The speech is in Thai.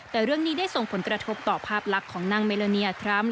แต่เรื่องนี้ได้ส่งผลกระทบต่อภาพลักษณ์ของนางเมโลเนียทรัมป